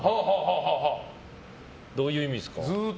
どういう意味ですか？